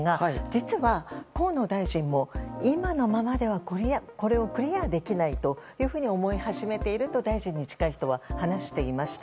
実は河野大臣も今のままではこれをクリアできないと思い始めていると大臣に近い人は話していました。